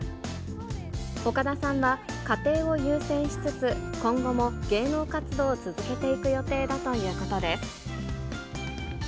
岡田さんは、家庭を優先しつつ、今後も芸能活動を続けていく予定だということです。